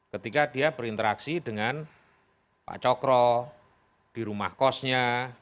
ketika dia berinteraksi dengan pak cokro di rumah kosnya